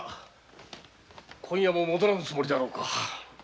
今夜も戻らぬつもりだろうか。